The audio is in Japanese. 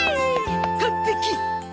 完璧！